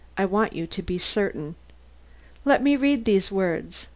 I want you to be certain. Let me read these words.